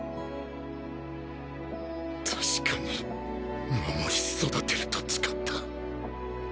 確かに守り育てると誓った